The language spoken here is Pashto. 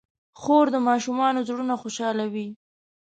خور د ماشومانو زړونه خوشحالوي.